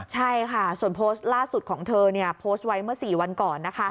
ใช่ค่ะส่วนโพสต์ล่าสุดของเธอโพสต์ไว้เมื่อ๔วันก่อนนะคะ